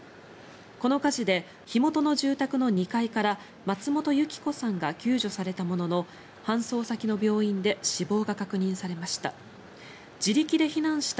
この火事で火元の住宅の２階から松本由伎子さんが救助されたものの搬送先の病院で死亡が確認されました。